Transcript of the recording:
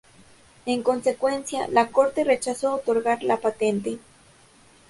En consecuencia, la corte rechazó otorgar la patente.